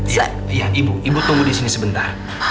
iya ibu ibu tunggu disini sebentar